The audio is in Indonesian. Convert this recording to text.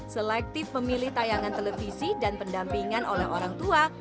selektif pemilih tayangan televisi dan pendampingan oleh orang tua